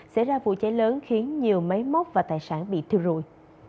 xảy ra vụ cháy lớn khiến nhiều máy móc và tài sản bị thiêu rụi